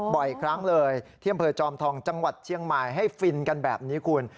บ่อยครั้งเลยที่อำเภอจอมทองจังหวัดเชียงใหม่ให้ฟินกันแบบนี้คุณ